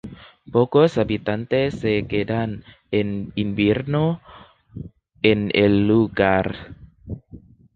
Pocos habitantes se quedan en invierno en el lugar.